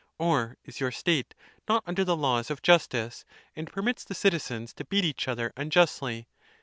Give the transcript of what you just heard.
Or is your state not under the laws of justice, and permits the citizens to beat each other unjustly